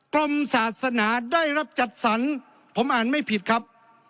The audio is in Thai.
กรมศาสนาได้รับจัดสรรผมอ่านไม่ผิดครับ